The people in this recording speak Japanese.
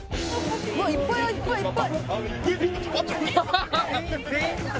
「うわっ！いっぱいいっぱいいっぱい」